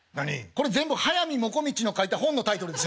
これ全部速水もこみちの書いた本のタイトルです。